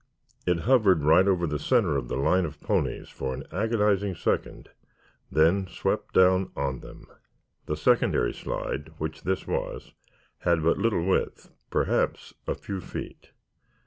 It hovered right over the center of the line of ponies for an agonizing second, then swept down on them. The secondary slide, which this was, had but little width, perhaps a few feet.